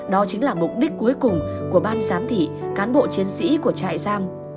đó chính là mục đích cuối cùng của ban giám thị cán bộ chiến sĩ của trại giam